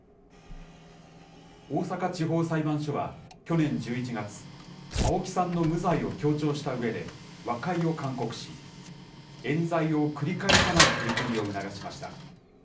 大阪地方裁判所は、去年１１月、青木さんの無罪を強調したうえで和解を勧告し、えん罪を繰り返さない取り組みを促しました。